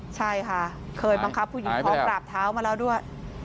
ใช่ค่ะเคยบังคับผู้หญิงท้องกราบเท้ามาแล้วด้วย